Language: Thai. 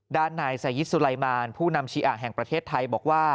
ด้านนายสายิตสุไลมารผู้นำชีอ่าแห่งประเทศไทยบอกว่า